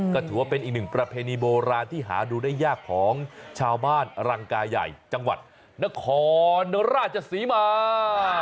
ก็ถือว่าเป็นอีกหนึ่งประเพณีโบราณที่หาดูได้ยากของชาวบ้านรังกายใหญ่จังหวัดนครราชศรีมา